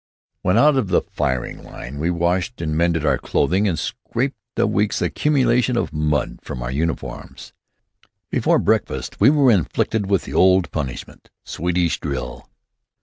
When out of the firing line we washed and mended our clothing and scraped a week's accumulation of mud from our uniforms. Before breakfast we were inflicted with the old punishment, Swedish drill.